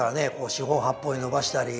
四方八方に伸ばしたり。